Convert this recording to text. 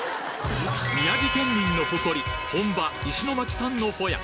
宮城県民の誇り本場石巻産のホヤ